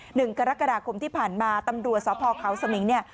หนึ่งกรกฎาคมที่ผ่านมาตำรวจสพเขาสมิงเนี่ย